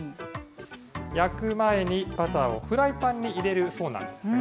焼く前にバターをフライパンに入れるそうなんですが。